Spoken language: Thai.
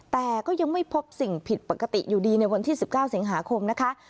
แต่ก็ยังไม่พบสิ่งผิดปกติอยู่ดีในวันที่๑๙สิงหาคมนะคะ